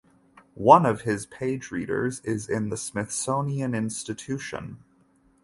One of his page readers is in the Smithsonian Institution.